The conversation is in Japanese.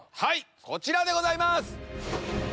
こちらでございます。